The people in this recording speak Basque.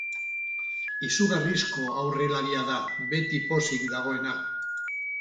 Izugarrizko aurrelaria da, beti pozik dagoena.